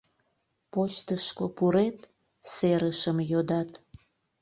— Почтышко пурет, серышым йодат.